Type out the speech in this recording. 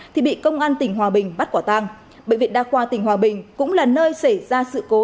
thì bị công an tỉnh hòa bình bắt quả tang bệnh viện đa khoa tỉnh hòa bình cũng là nơi xảy ra sự cố